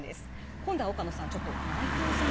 今度は岡野さん